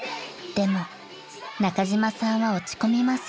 ［でも中島さんは落ち込みません］